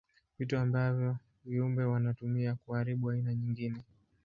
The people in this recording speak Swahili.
Vitu ambavyo viumbe wanatumia kuharibu aina nyingine.